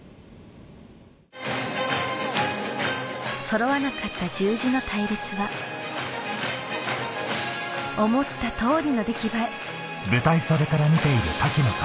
そろわなかった十字の隊列は思った通りの出来栄え